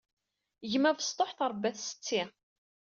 Gma abesṭuḥ teṛebba-t setti.